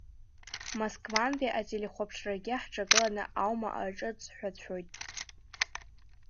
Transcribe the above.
Москвантәи ателехәаԥшрагьы ҳҿагыланы аума аҿыҵҳәацәоит.